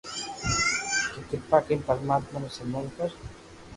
تو ڪرپا ڪرين پرماتما رو سمرن ڪرو